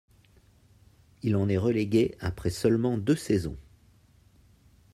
Il en est relégué après seulement deux saisons.